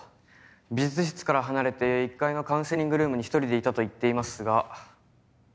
美術室から離れて１階のカウンセリングルームに１人でいたと言っていますが。